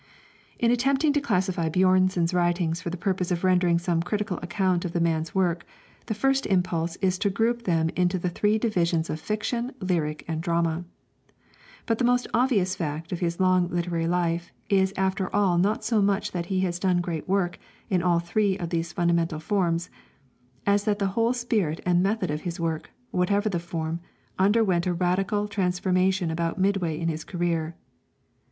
In attempting to classify Björnson's writings for the purpose of rendering some critical account of the man's work, the first impulse is to group them into the three divisions of fiction, lyric, and drama. But the most obvious fact of his long literary life is after all not so much that he has done great work in all three of these fundamental forms, as that the whole spirit and method of his work, whatever the form, underwent a radical transformation about midway in his career.